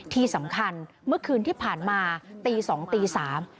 ที่สำคัญเมื่อคืนที่ผ่านมาตีสองตีสาม